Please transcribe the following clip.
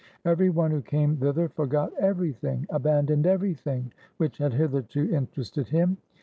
Every one who came thither forgot everything, abandoned everything which had hitherto interested him.